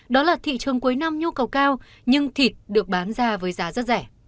đó là thị trường cuối năm nhu cầu cao nhưng thịt được bán ra với giá rất rẻ